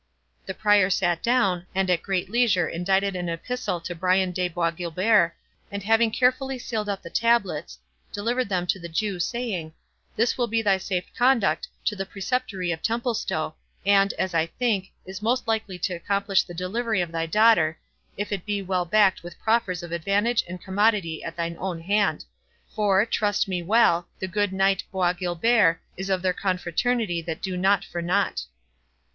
The Prior sat down, and at great leisure indited an epistle to Brian de Bois Guilbert, and having carefully sealed up the tablets, delivered them to the Jew, saying, "This will be thy safe conduct to the Preceptory of Templestowe, and, as I think, is most likely to accomplish the delivery of thy daughter, if it be well backed with proffers of advantage and commodity at thine own hand; for, trust me well, the good Knight Bois Guilbert is of their confraternity that do nought for nought."